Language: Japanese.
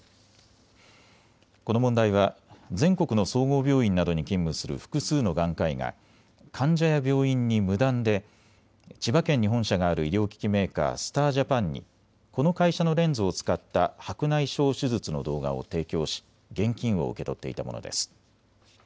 この問題は全国の総合病院などに勤務する複数の眼科医が患者や病院に無断で千葉県に本社がある医療機器メーカー、スター・ジャパンにこの会社のレンズを使った白内障手術の動画を提供し現金を受け取っていたものです。